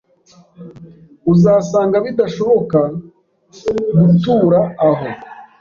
Uzasanga bidashoboka gutura aho.